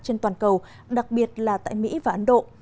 trên toàn cầu đặc biệt là tại mỹ và ấn độ